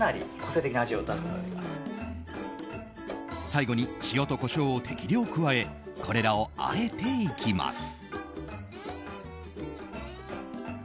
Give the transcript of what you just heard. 最後に塩とコショウを適量加えこれらをあえていきます。